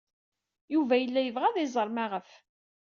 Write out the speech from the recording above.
Yuba yella yebɣa ad iẓer maɣef.